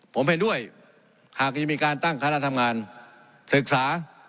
ผมเห็นด้วยหากยังมีการตั้งคณะทำงานศึกษา